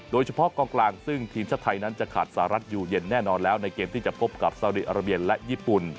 โดยเฉพาะกองกลางซึ่งทีมชาติไทยนั้นจะขาดสหรัฐอยู่เย็นแน่นอนแล้วในเกมที่จะพบกับซาวดีอาราเบียนและญี่ปุ่น